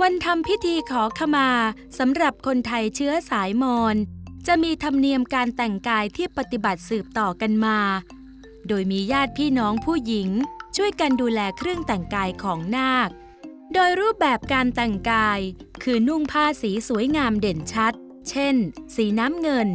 วันทำพิธีขอขมาสำหรับคนไทยเชื้อสายมอนจะมีธรรมเนียมการแต่งกายที่ปฏิบัติสืบต่อกันมาโดยมีญาติพี่น้องผู้หญิงช่วยกันดูแลเครื่องแต่งกายของนาคโดยรูปแบบการแต่งกายคือนุ่งผ้าสีสวยงามเด่นชัดเช่นสีน้ำเงิน